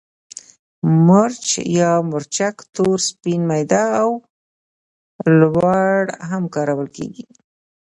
مرچ یا مرچک تور، سپین، میده او لواړ هم کارول کېږي.